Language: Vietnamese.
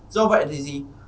do vậy thì gì